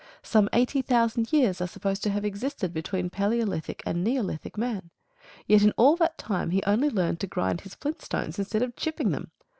Some eighty thousand years are supposed to have existed between paleolithic and neolithic man. Yet in all that time he only learned to grind his flint stones instead of chipping them.